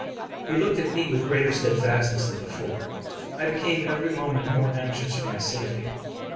He looked at me with greater steadfastness than before. I became every moment more anxious for my safety.